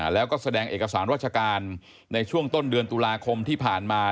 แล้วก็แสดงเอกสารราชการในช่วงต้นเดือนตุลาคมที่ผ่านมา